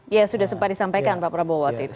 ya sudah sempat disampaikan pak prabowo waktu itu